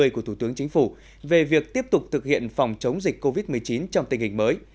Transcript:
của thủ tướng chính phủ về việc tiếp tục thực hiện phòng chống dịch covid một mươi chín trong tình hình mới